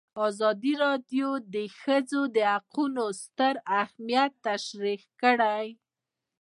ازادي راډیو د د ښځو حقونه ستر اهميت تشریح کړی.